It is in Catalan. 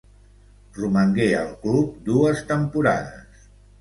Romangué al club dues temporades.